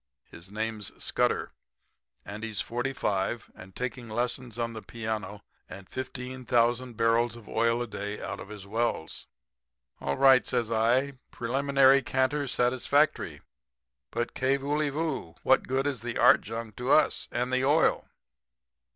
His name's Scudder, and he's 45, and taking lessons on the piano and 15,000 barrels of oil a day out of his wells.' "'All right,' says I. 'Preliminary canter satisfactory. But, kay vooly, voo? What good is the art junk to us? And the oil?'